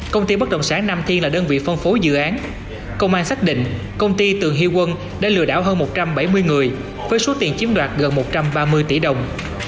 công ty bất động sản nam thiên là đơn vị phân phối dự án công an xác định công ty tường hy quân đã lừa đảo hơn một trăm bảy mươi người với số tiền chiếm đoạt gần một trăm ba mươi tỷ đồng